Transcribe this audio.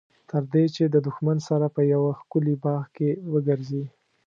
تر دې چې د دښمن سره په یوه ښکلي باغ کې وګرځي.